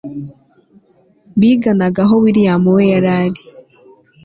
biganaga aho william we yari